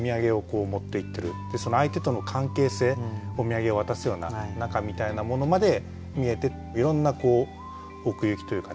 その相手との関係性お土産を渡すような仲みたいなものまで見えていろんな奥行きというかね